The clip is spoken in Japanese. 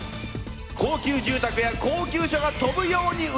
高級住宅や高級車が飛ぶように売れ